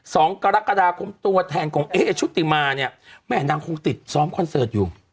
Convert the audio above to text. สองกรกฎาคมตัวแทนของเอ๊ชุติมาเนี่ยแม่นางคงติดซ้อมคอนเสิร์ตอยู่